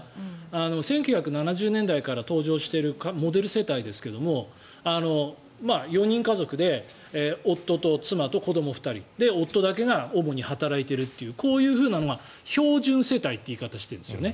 １９７０年代から登場しているモデル世帯ですけど４人家族で夫と妻と子ども２人夫だけが主に働いているというこういうのが標準世帯という言い方をしてるんですよね。